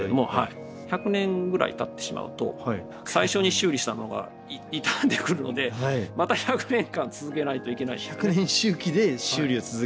１００年ぐらいたってしまうと最初に修理したのが傷んでくるのでまた１００年間続けないといけない。